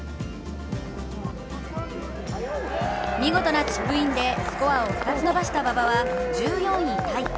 見事なチップインでスコアを２つ伸ばした馬場は、１４位タイ。